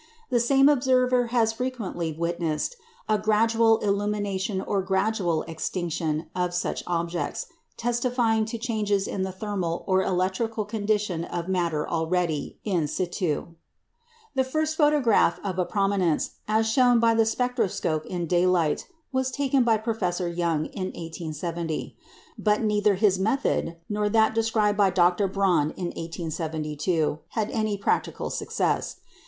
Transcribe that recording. The same observer has frequently witnessed a gradual illumination or gradual extinction of such objects, testifying to changes in the thermal or electrical condition of matter already in situ. The first photograph of a prominence, as shown by the spectroscope in daylight, was taken by Professor Young in 1870. But neither his method, nor that described by Dr. Braun in 1872, had any practical success.